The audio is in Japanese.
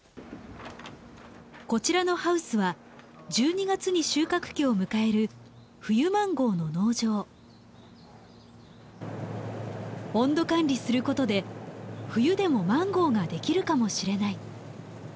こちらのハウスは１２月に収穫期を迎える温度管理することで冬でもマンゴーができるかもしれない。